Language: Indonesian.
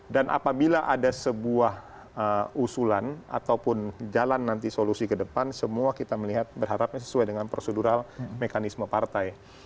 dan apabila ada sebuah usulan ataupun jalan nanti solusi ke depan semua kita melihat berharapnya sesuai dengan prosedural mekanisme partai